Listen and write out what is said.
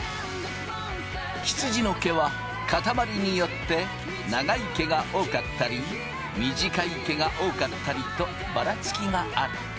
羊の毛は塊によって長い毛が多かったり短い毛が多かったりとばらつきがある。